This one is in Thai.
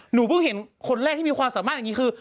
หนูเพิ่งเห็นคนแรกที่มีความสามารถอย่างนี้คือ